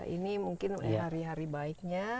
ini mungkin hari hari baiknya